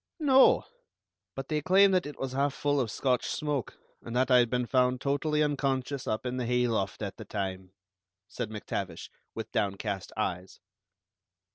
"No; but they claimed that it was half full of Scotch 'smoke,' and that I had been found totally unconscious up in the hayloft at the time," said MacTavish, with downcast eyes.